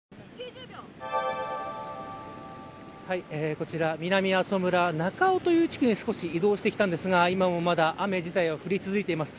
こちら、南阿蘇村ナカオという地区に移動してきたんですが今もまだ雨自体が降り続いています。